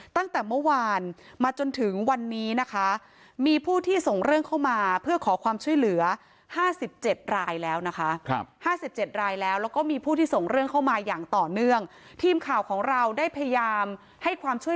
ตั้งแต่เมื่อวานมาจนถึงวันนี้นะคะ